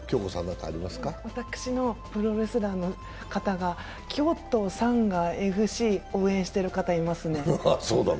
プロレスラーの方が京都サンガＦ．Ｃ．を応援してる方がいますね。